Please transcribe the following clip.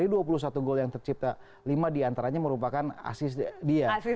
dari dua puluh satu gol yang tercipta lima diantaranya merupakan asis dia